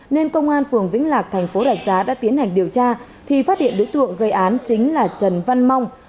nên công an phường vĩnh lạc tp đạch giá đã tiến hành điều tra thì phát hiện đối tượng gây án chính là trần văn mong